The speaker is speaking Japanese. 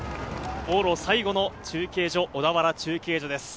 往路・最後の中継所、小田原中継所です。